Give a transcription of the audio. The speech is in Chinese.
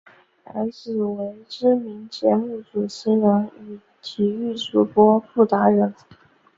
儿子为知名节目主持人与体育主播傅达仁。